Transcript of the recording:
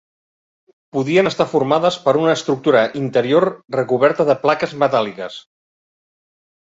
Podien estar formades per una estructura interior recoberta de plaques metàl·liques.